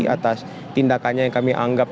atas tindakannya kami anggap